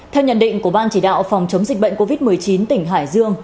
theo nhận định của ban chỉ đạo phòng chống dịch bệnh covid một mươi chín tỉnh hải dương